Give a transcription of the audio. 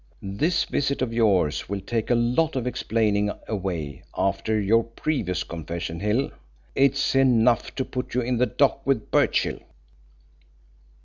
This visit of yours will take a lot of explaining away after your previous confession, Hill. It's enough to put you in the dock with Birchill."